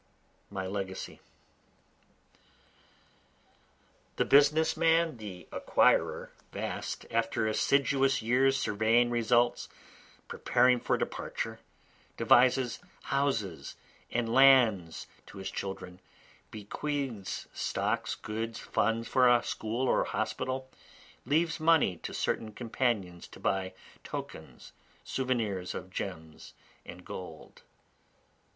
My Legacy The business man the acquirer vast, After assiduous years surveying results, preparing for departure, Devises houses and lands to his children, bequeaths stocks, goods, funds for a school or hospital, Leaves money to certain companions to buy tokens, souvenirs of gems and gold.